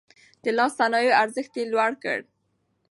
د لاس صنايعو ارزښت يې لوړ کړ.